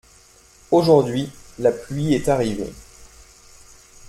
Aujourd’hui, la pluie est arrivée.